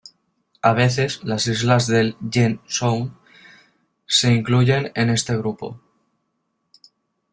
A veces, las islas del Yell Sound se incluyen en este grupo.